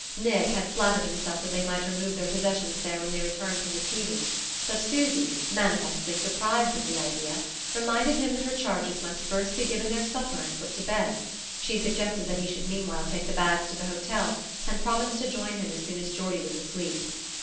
Nick had flattered himself that they might remove their possessions there when they returned from the tea room; but Susy, manifestly surprised at the idea, reminded him that her charges must first be given their supper and put to bed. She suggested that he should meanwhile take the bags to the hotel, and promised to join him as soon as Geordie was asleep.